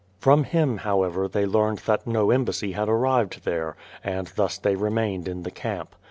From him, however, they learned that no embassy had ar rived there, and thus they remained in the camp.